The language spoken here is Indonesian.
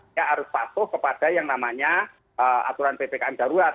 dia harus patuh kepada yang namanya aturan ppkm darurat